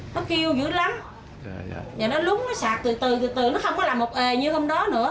nó kêu dữ lắm nó lúng nó sạt từ từ từ từ nó không có làm một ề như hôm đó nữa